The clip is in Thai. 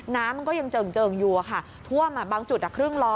น้ำมันก็ยังเจิ่งอยู่อะค่ะท่วมบางจุดครึ่งล้อ